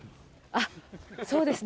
そうですね。